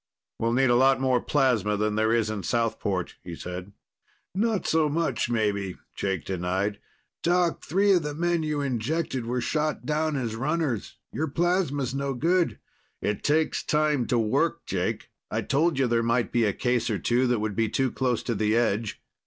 "We'll need a lot more plasma than there is in Southport," he said. "Not so much, maybe," Jake denied. "Doc, three of the men you injected were shot down as runners. Your plasma's no good." "It takes time to work, Jake. I told you there might be a case or two that would be too close to the edge.